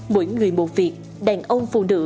mỗi người một việc đàn ông phụ nữ đều làm chổi